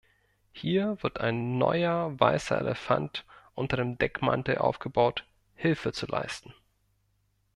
Hier wird ein neuer weißer Elefant unter dem Deckmantel aufgebaut, Hilfe zu leisten.